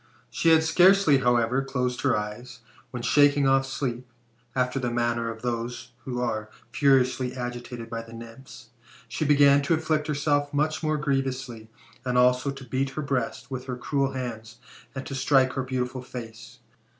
She had scarcely, however, closed her eyes, when, shaking off sleep, after the manner of those who are furiously agitated by the Nymphs, she began to afflict herself much more G:rievously, and also to beat her breast with her cruel hands, and to strike her beautiful face.